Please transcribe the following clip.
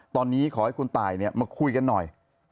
ตอนนี้ขอให้คุณตายมาคุยกันหน่อย